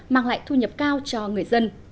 mang lại thu nhập cao cho người dân